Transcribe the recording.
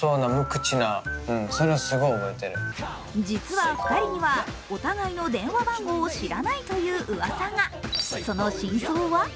実は２人にはお互いの電話番号を知らないといううわさが。